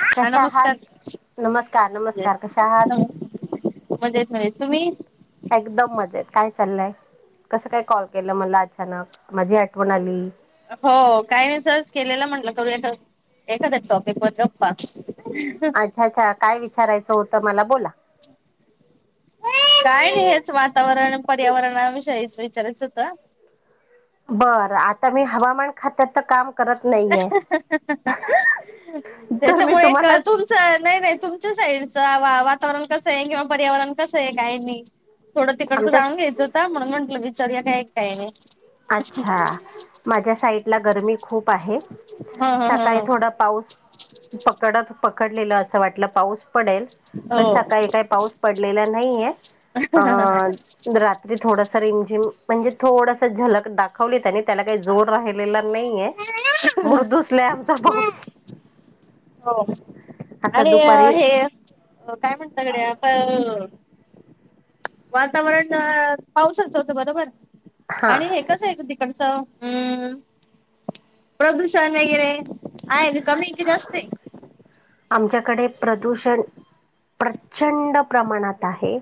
हा कशा आहात? नमस्कार नमस्कार नमस्कार कशा आहात [inaudible] मजेत नाहीत तुम्ही? एकदम मजेत काय चाललंय? कसं काय कॉल केलं मला अचानक माझी आठवण आली. हो काही नाही सरज केलेला म्हंटलं करूयात एखाद्या टॉपिक वर गप्पा. अच्छा अच्छा काय विचारायचं होतं मला बोला. काय हेच वातावरण पर्यावरणाविषयीच विचारायचं होतं. बरं आता मी हवामान खात्यात तर काम करत नाहीये [unintelligible] तर मी त्याच्यामुळे तुम्हाला कळ तु च नाही नाही तुमच्या साईडचं वा- वातावरण कसं आहे किंवा पर्यावरण कसं आहे काही नाही. थोडं तिकडचं आमच्या जाऊून घ्यायचं होता म्हणून म्हटलं विचारूया काय आहे काय नाही. अच्छा माझ्या साईटला गरमी खूप आहे हा हा सकाळी हा थोडा पाऊस पकडत -पकडलेलं असं वाटलं पाऊस पडेल पण हो सकाळी काही पाऊस पडलेला नाहीये अ रात्री थोडस रिमजिम म्हणजे थोडस झलक दाखवली त्यानी त्याला काही जोर राहिल लेला नाहीये [inaudible] पाऊस. हो आता अणि अ दुपारी हे काय म्हणता गडया आप वातावरण पावसाचं होतं बरोबर हा आणि हे कसं ये क ती कडच हम्म प्रदूषण वगैरे. आहे की कमी ये जास्त ये. आमच्याकडे प्रदूषण प्रचंड प्रमाणात आहे.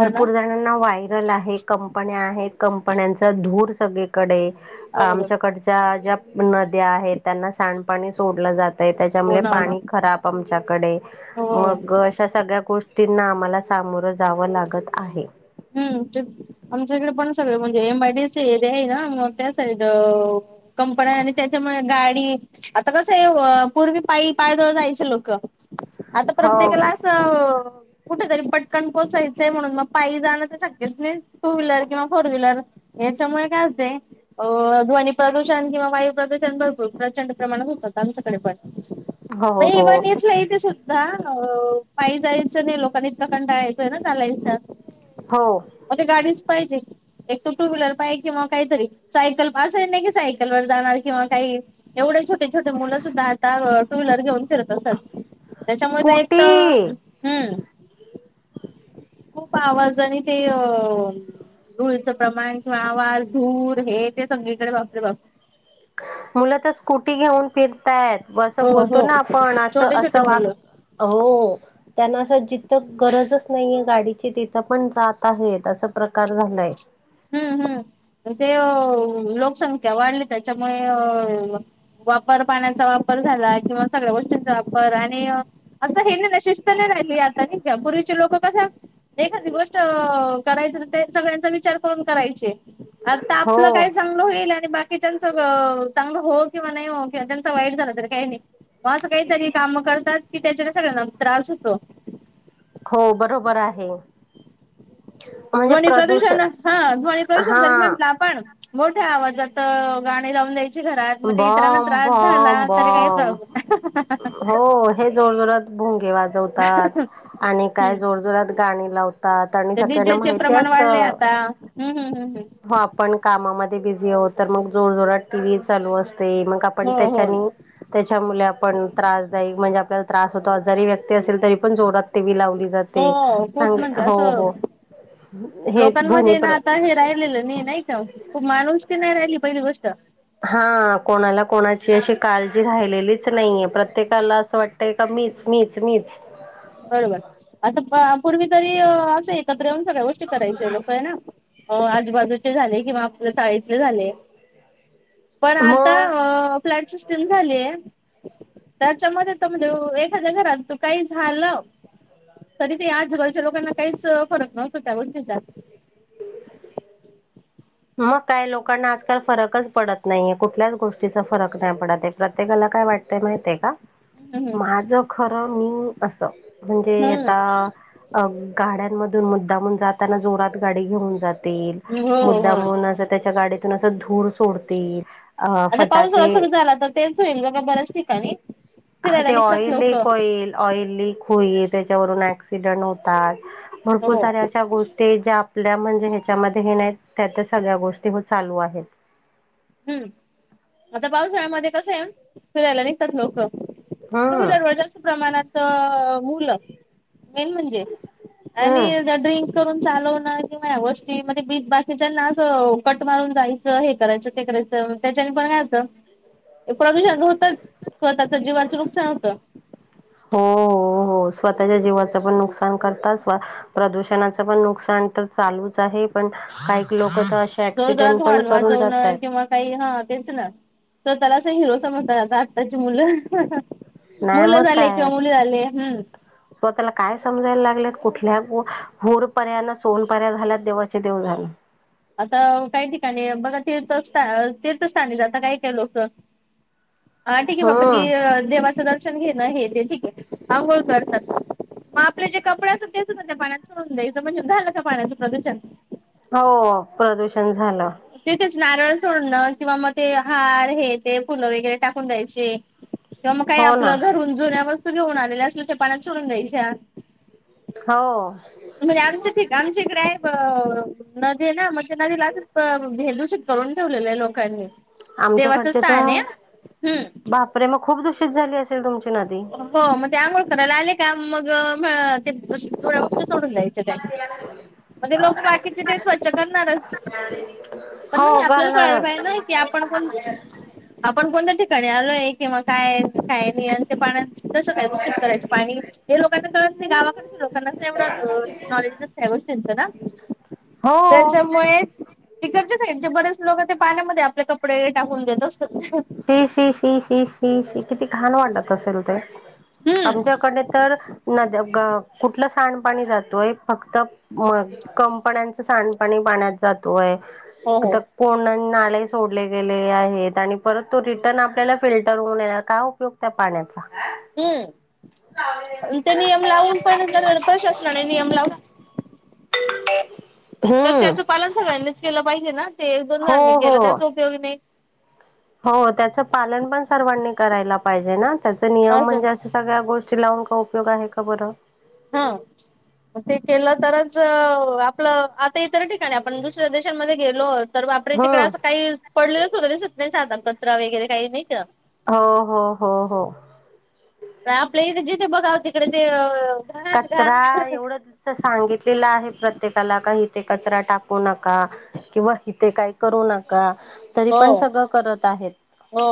ह ना जणांना वायरल आहे कंपन्या आहेत कंपन्यांचा धूर सगळीकडे बरोबर आमच्याकडच्या ज्या नद्या आहेत त्यांना सांडपाणी सोडलं जातं तय त्याच्यामुळे लोणावळा पाणी खराब आमच्याकडे हो मग अश्या सगळ्या गोष्टींना आम्हाला सामोरं जावं लागत आहे. हम्म तेच आमच्याईकडे पण सगळे म्हणजे एम आय डी सी हे ते हेना मग त्या साईड कंपन्या आणि त्याच्यामुळे गाडी आता कसं आहे पूर्वी पायी पायदवळ जायचे लोक आता हो प्रत्येकाला अस कुठेतरी पटकन पोहचाय चये म्हणून म पाई जाण ते शक्यच नाही टू व्हीलर किंवा फोर व्हीलर याच्यामुळे काय होतये अ ध्वनी प्रदूषण किंवा वायू प्रदूषण भरपूर प्रचंड प्रमाणात होतात आमच्याकडे पण. [inaudible] हो हो इथल्या इथेच होत जा हळूहळू पाई जायचं नाहीये लोकांनी इतका कंटाळा येतोय ना चालायचा. हो. म ते गाडीच पाहिजे. एक तो टू व्हीलर पाही किंवा काहीतरी सायकल पा असल नाही की सायकल वर जाणार किंवा काही एवढया छो ते छोटे मुलं सुद्धा आता टू व्हीलर घेऊन फिरत असतात त्याच्यामुळे त एक त स्कूटी हम्म खूप आवाज आणि ते अ धुळीचं प्रमाण किंवा आवाज धूळ हे ते सगळीकडे बापरे बाप. मुलं तर स्कूटी घेऊन फिरता येत. व असं हो बोलतो हो ना आपण असं छोटे छोटे असं वाग मुलं हो त्यांना असं जिथं गरजच नाहीये गाडीची तिथं पण जाता बि येता असं प्रकार झालाय. हम्म हम्म तर ते अ लोकसंख्या वाढली त्याच्यामुळे अ वापर पाण्याचा वापर झाला किंवा सगळ्या गोष्टींचा वापर आणि- असं हे ना शिस्त नाही राहिल आता, पूर्वीचे लोक कस- एखादी गोष्ट करायचं ते सगळ्यांचा विचार- करून करायचे, आता हो आपल काय सांग - होईल आणि बाकी त्यांच चांगलं हो किंवा नाही हो किंवा त्यांचा वाईट झालं तरी काही नाही. मग असं काहीतरी काम करतात की, त्याच्याने सगळ्यांना त्रास होतो. हो, बरोबर आहे. ध्वनी प्रदूषण हा ध्वनी प्रदूषण हा जरी म्हणला- पण मोठ्या आवाजात गाणी लावून द्याय- बम बम तरी काही बम प्रॉब्लेम हो हे जोर जोरात- भोंगे वाजवतात आणि काय हम्म जोर जोरात गाणी लावतात. आणि तर सगळ्यांना डीजेचे माहिती प्रमाण वाढले असतं आता, हं, हं, हं. हो आपण कामामध्ये बिझी आहोत, तर मग जोर जोरात टी व्ही चालू असते मग- आपण हो हो त्याच्यानी- त्याच्यामुळे आपण त्रासदायक म्हणजे, आपल्याला त्रास होतो आजारी व्यक्ती असेल तरी, पण जोरात ते लावली- हो खूप म्हणजे असं हो हे लोकांमध्ये ्वनीप ना आता हे [unintelligible] नाही राहिलेलं [unintelligible] नाही का, माणूसकी नाही राहिली पहिली गोष्ट. हा, कोणाला कोणाची अशी काळजी राहिलेलीच नाहीये, प्रत्येकाला असं वाटत- की मीच, मीच, मीच. बरोबर, आता पूर्वी तरी असं एकत्र येऊन सगळ्या गोष्टी करायच्या लोक आहे ना? हो, आजूबाजूचे झाले किंवा आपल्या चाळीतले झाले. पण मग आता प्लँट सिस- [unintelligible] झालीये त्याच्यामध्ये त म्हणजे एखाद्या घरात तू काही झालं- तरी ते आजूबाजूच्या लोकांना काहीच फरक नव्हतो त्या गोष्टींचा. मग काय, लोकांना आजकाल फरकच पडत नाहीये, कुठल्याच गोष्टीचा फरक नाही पडत आहे, प्रत्येकाला काय वाटत- तेय माहितेय का? हम् [unintelligible] माझं खरं मी असं म्हणजे हम्म आता- अ.. गाड्यांमधून मुद्दामन जाताना जोरात गाडी घेऊन जातील, - हं, दमून असं त्याच्या गाडीतून असं धूर सोडतील. अ आता पाऊस थोडा फटाके सुरू झाला, तर तेच होईल बघा बऱ्याच ठिकाणी. हा, फिरायला ते निघतात ऑइल लोक लीक होईल, ऑइल लीक होईल, त्याच्यावरून ऍक्सिडेंट होतात. हो भरपूर साऱ्या अशा गोष्टी ज्या- आपल्या म्हणजे ह्याच्यामध्ये हे नाही, त्यात सगळ्या गोष्टी हो चालू आहेत. हम्म, आता पावसाळ्यामध्ये कसं आहे, फिरायला निघतात लोक. [unintelligible] तर हम्म जास्त प्रमाणात मुलं- मेन म्हणजे आणि हम्म त्या ड्रिंक- करून चालवण किंवा या गोष्टी मग बी बाकीच्याना अस कट मारून जायचं, हे करायचं. तेकच त्याच्यानी पण काय होतं [unintelligible] प्रदूषण होतच, स्वतःच जीवाच नुकसान होत. हो, हो, हो, स्वतःच्या जीवाच पण नुकसान करतात- प्रदूषणाच पण नुकसान तर चालूच आहे, पण काही काही लोक अशी- अँक्सिडेंट जोरजोरात पण हॉर्न करून जात वाजवणं आहेत. किंवा काही हा तेच ना, स्वतःला अस हिरो समजत आता आत्ताची मुलं. नाही मुलं मग झाले किंवा काय मुली झाले, हम्. स्वतःला काय समजायला लागल्यात, कुठल्या हु हूर पऱ्या न सोनपऱ्या झाल्यात, देवाचे देव जाणे. आता काही ठिकाणी, बघा तीर्थस्थान-तीर्थस्थानी जाता काही लोक हा ठीक हे बाबा की हम्म अ, देवाचं दर्शन घे न, हे ते ठीक आंघोळ करतात. मग आपले जे कपडे असातात ते अस ना त्या पाण्यात सोडून द्यायच म्हणजे, झाल का पाण्याच प्रदूषण? हो प्रदूषण झाल. तिथेच नारळ सोडण किंवा मग ते हार हे ते फुल वगैरे टाकून द्यायचे. किवा मग काही हो ना आपल घरून जुन्या वस्तू घेऊन आलेल्या असल, ते पाण्यात सोडून द्यायच्या. हो. म्हणजे आमच्यात आमच्या इकडे आहे ब अ नदी हे ना, मग त्या नदीला अस प हे दूषित करून ठेवलेल हे लोकांनी. देवाचं आमच्याकडचे त, स्थान आहे हम्म बापरे मग खूप दूषित झाली असेल तुमची नदी? हो मग ते आघोळ करायला आले का, मग अ म्ह ते [unintelligible] ते सोडून जायच त्यांनी, म लोक बाकीचे ते स्वच्छ करणारच. पण म हो हे आपल्याला कळायला करणार पाहिजे ना कि हे आप आपण कोण, आपण कोणत्या ठिकाणी आलोय किंवा काय-काय न? नहीं अन त्या पाण्याचं कसं काय दूशित करायचं पाणी? हे लोकांना कळत नाही गावाकडचे लोकं ना एवढ नॉलेज नसत त्या गोष्टीनच ना, हो त्याच्यामुळेच ईकडच्या साईड चे बरेच लोक ते पाण्यामध्ये आपले कपडे टाकून देत असतात. शी-शी शी-शी शी-शी किती घाण वाटत असेल ते? हम्म आमच्याकडे तर नद्या गं कुठल सांडपाणी जातोय फक्त मग कंपन्याचं सांडपाणी पाण्यात जातोय. हो हो त कोन्डन नाले सोडले गेले आहेत आणि परत तो रिटर्न आपल्याला फिल्टर होऊन येणार, काय उपयोग त्या पाण्याचा? हम्म, ते नियम लावून पण, जर प्रशासनाने नियम लावला तर हम्म त्याच पालन सगळ्यांनीच केल पाहिजे ना? ते एक दोन हो जणांनी केल हो त्याचा उपयोग नाही. हो त्याच पालन पण सर्वांनी करायला पाहिजे ना, त्याच नियम अजून म्हणजे अस सगळ्या गोष्टी लावून का उपयोग आहे का बर? हन, म ते केल तरच अ आपल आ इतर ठिकाणी आपण दुसऱ्या देशांमध्ये गेलो, तर बापरे तिकडे हम्म अस काही पडलेल सुद्धा दिसत नाही साधा कचरा वगैरे काही नाही का. हो-हो-हो. का आपल्या इथे जिथे बघाव तिकडे ते अं कचरा आ एवढ सांगितलेला आहे, प्रत्येकाला का हीते कचरा टाकू नका. किंवा इथे काय करू नका, तरी हो पण सगळ करत आहेत. हो.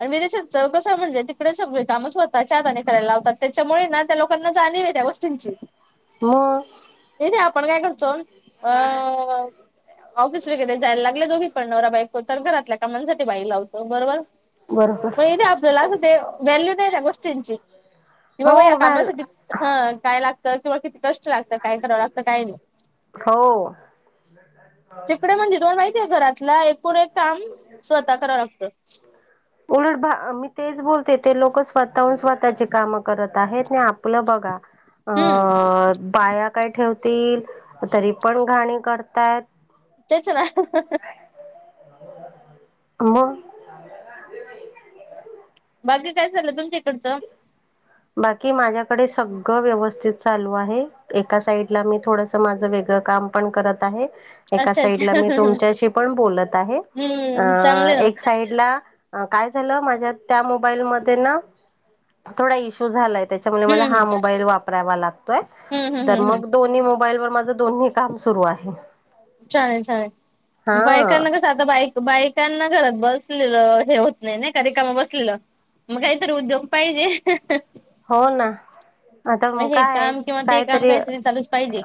आणि मी त्याच्यात कस म्हणजे तिकडे सगळी काम स्वतःच्या हाताने करायला लावतात, त्याच्यामुळे ना त्या लोकांना जाणीवे त्या गोष्टींची. म्ह. इथे आपण काय करतो, अं ऑफिस वगैरे जायला लागले दोघीपण, नवरा- बायको तर घरातल्या कामांसाठी बाई लावतो, बरोबर? बरोबर म इतेे आपल्याला अस ते, व्हॅल्यू नाही त्या गोष्टींची. कि हो बाबा या व्हॅल कामासाठी, हं काय लागतं किंवा किती कष्ट लागत? काय कराव लागत, काय नाही? हो. तिकडे म्हजे दोन माहिती का घरात? नाय पुढे काम स्वतः करा लागत. उलट मी तेच बोलते ते लोक स्वतःहून स्वतःची कामं करत आहेत ना आपलं बघा. अ हम्म. बाया काय ठेवती तरी पण घाण करताय. तेच ना. म. बाकी काय झाल तुमच्या इकडच? बाकी माझ्याकडे सगळ व्यवस्थित चालू आहे. एका साइडला मी थोडस माझ वेगळ काम पण करत आहे, एका अच्छा अच्छा साइडला मी तुमच्या शि पण बोलत आहे. हम्म अं चांगले ना एक साईडला अ काय झालं माझ्या त्या मोबाईल मध्ये ना थोडा इशू झालाय. त्याच्यामुळे मला हम्म हा मोबाईल वापरायला लागतोय. हम्म हम्म तर हम्म हम्म मग दोन्ही मोबाईल वर माझं दोन्ही काम सुरू आहे. चालेल चालेल हा बायकाना कस आता बाईक -बायकांना घरात बसलेलं हे होत नाही नाही का रिकामा बसलेलं. मग काहीतरी उद्योग पाहिजे. हो ना, आता मोका हे आहे काम किंवा ते काम कायतरी काहीतरी चालूच पाहिजे.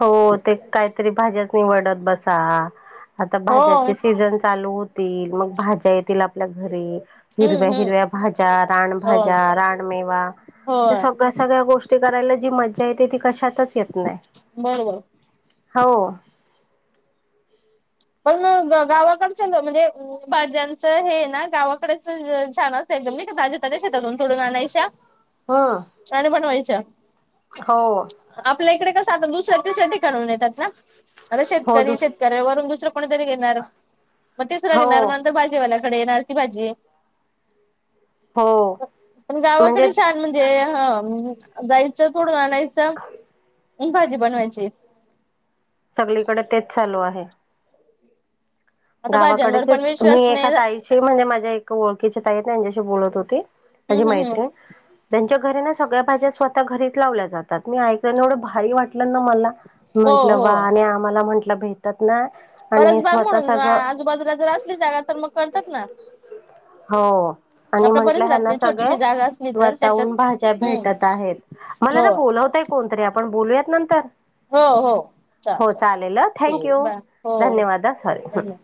हो ते काहीतरी भाज्याच निवडत बसा. आता हो भाज्याचे सीझन चालू होतील मग भाज्या येतील आपल्या घरी. हिरव्या हम्म हम्म हिरव्या भाज्या, हो. रानभाज्या, रानमेवा, त्या होय सगळ्या सगळ्या गोष्टी करायला जी मज्जा येते ती कशातच येत नाही. बरोबर हो. पण मग गावाकडच म्हणजे भाज्यांचं हे ना गावाकडेच छान असे एकदम नाही का, ताज्या ताज्या शेतातून तोडून आणायच्या. [inaudible] हं. आणि बनवायच्या. हो. आपल्या इकडे कसं आ दुसऱ्या तिसऱ्या ठिकाणा हुन येतात ना, आता हो शेतकरी दुस शेतकऱ्यावरून दुसर् कोणतरी घेणार, मग तिसरा हो घेणार, मंतर भाजीवाल्याकडे येणार ती भाजी. हो पण म्हणजे गावाकडे शान म्हणज जे ह जायचं तोडून आणायचं भाजी बनवायची. सगळीकडे तेच चालू आहे. आता भाज्यांवर पण गावाकडचेच मी विश्वास एखा नाही ताईशी म्हणजे माझ्या ओळखीच्या ताई त्यांच्याशी बोलत होती माझी हम्म हम्म हम्म मैत्रीण. त्यांच्या घरी ना सगळ्या भाज्या स्वतः घरीच लावल्या जातात. मी ऐकलं एवढं भारी वाटलं ना मला. हो म्हंटलं वा हो आणि आम्हाला म्हंटलं भेटात ना, आणि परस हे बघ स्वतः म्हणून सगळं आजूबाजूला जर असली जागा तर मग करतात ना. हो. आणि आपल्या म्हटलं ह ना परिसरातली सगळे छोटीशी जागा असली तर त्याच्यात स्वतःहून भाज्या हम्म भेटत आहेत मला हो ना बोलावतय कोणतरी आपण बोलूयात नंतर. हो हो हो चालेल अ थँक ठीक यू, बाय हो हो धन्यवाद सॉरी धन्यवाद.